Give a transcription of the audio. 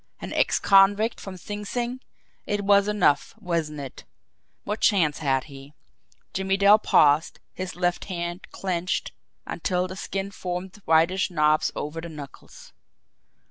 An ex convict from Sing Sing! It was enough, wasn't it? What chance had he!" Jimmie Dale paused, his left hand clenched until the skin formed whitish knobs over the knuckles.